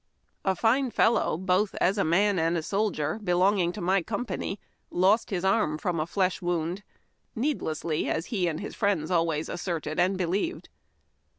A fine fellow, both as a man and soldier, belonging to my company, lost his arm from a flesh wound — needlessly, as he and his friends always asserted and believed.